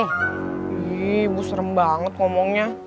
ih ibu serem banget ngomongnya